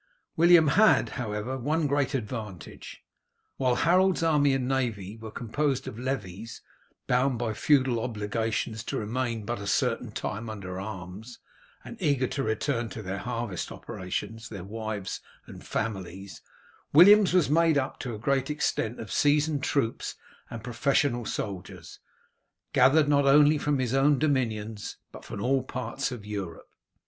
William had, however, one great advantage. While Harold's army and navy were composed of levies, bound by feudal obligations to remain but a certain time under arms, and eager to return to their harvest operations, their wives and families, William's was made up to a great extent of seasoned troops and professional soldiers, gathered not only from his own dominions but from all parts of Europe.